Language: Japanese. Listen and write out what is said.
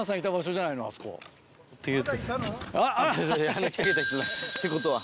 話しかけた人だってことは。